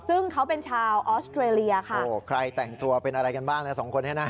ซึ่งเขาเป็นชาวออสเตรเลียค่ะโอ้โหใครแต่งตัวเป็นอะไรกันบ้างนะสองคนนี้นะ